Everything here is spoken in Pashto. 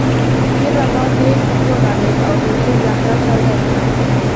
ډېر را باندې وغمېد او بېخي زهره چاودی کړم.